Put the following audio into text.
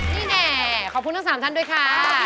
นี่แน่ขอบคุณทั้ง๓ท่านด้วยค่ะ